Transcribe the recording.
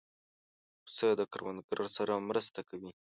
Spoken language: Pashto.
پسه د کروندګر سره مرسته کوي.